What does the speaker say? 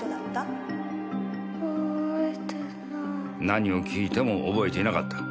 何を聞いても覚えていなかった。